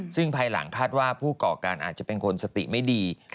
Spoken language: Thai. ซึ่งภายหลังคาดว่าผู้ก่อการอาจจะเป็นคนสติไม่ดี